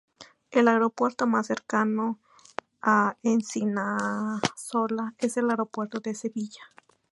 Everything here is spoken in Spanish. El aeropuerto más cercano a Encinasola es el aeropuerto de Sevilla.